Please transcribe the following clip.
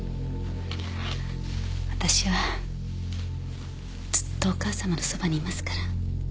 私はずっとお母さまのそばにいますから。